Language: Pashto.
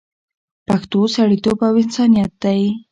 پښتو سړیتوب او انسانیت دی